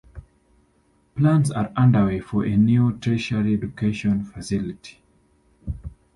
Plans are underway for a new tertiary education facility.